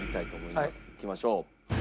いきましょう。